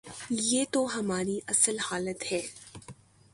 یہ تو ہماری اصل حالت ہے۔